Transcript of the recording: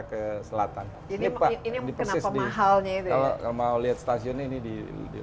ke selatan jadi ini kenapa mahalnya itu ya kalau mau lihat stasiun ini di stasiun senayan